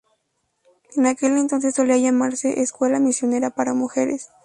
En aquel entonces solía llamarse: "Escuela misionera para Mujeres".